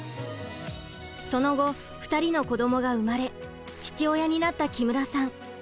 その後２人の子どもが生まれ父親になった木村さん。